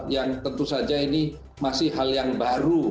yang tentu saja ini masih hal yang baru